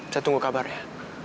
saya tunggu kabar ya